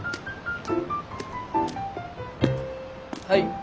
はい。